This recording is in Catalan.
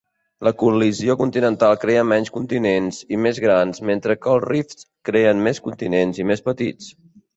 La col·lisió continental crea menys continents i més grans mentre que els rifts creen més continents i més petits.